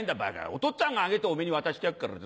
おとっつぁんが揚げておめぇに渡してやっから。